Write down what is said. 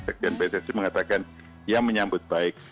sekian pssi mengatakan yang menyambut baik